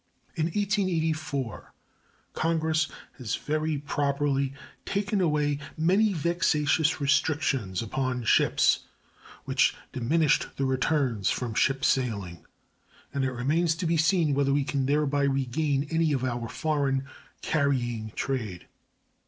In 1884 Congress has very properly taken away many vexatious restrictions upon ships, which diminished the returns from ship sailing, and it remains to be seen whether we can thereby regain any of our foreign carrying trade.